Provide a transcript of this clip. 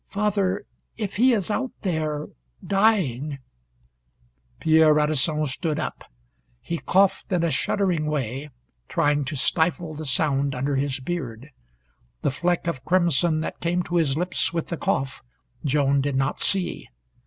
Father, if he is out there dying " Pierre Radisson stood up. He coughed in a shuddering way, trying to stifle the sound under his beard. The fleck of crimson that came to his lips with the cough Joan did not see.